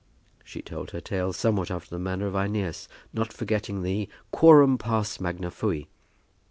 She told her tale somewhat after the manner of Æneas, not forgetting the "quorum pars magna fui."